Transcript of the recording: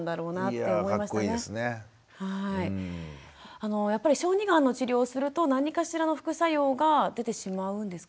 あのやっぱり小児がんの治療をすると何かしらの副作用が出てしまうんですか。